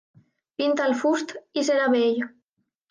Pinta el fust i serà bell.